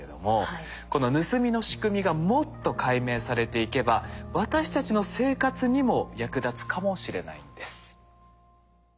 この盗みの仕組みがもっと解明されていけば私たちの生活にも役立つかもしれないんです。